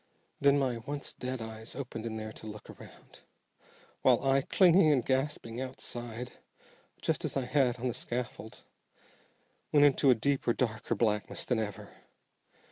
Then my once dead eyes opened in there to look around, while I, clinging and gasping outside, just as I had on the scaffold, went into a deeper, darker blackness than ever.